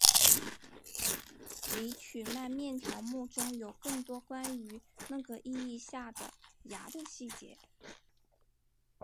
黎曼曲面条目中有更多关于那个意义下的芽的细节。